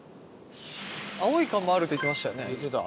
青い看板あるって言ってましたよね。